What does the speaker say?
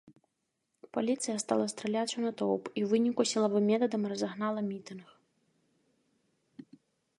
Паліцыя стала страляць у натоўп і ў выніку сілавым метадам разагнала мітынг.